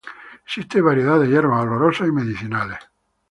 Existen variedad de hierbas olorosas y medicinales.